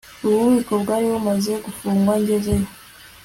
Ububiko bwari bumaze gufungwa ngezeyo